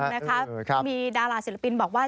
ถูกต้องนะครับมีดาราศิลปินบอกว่า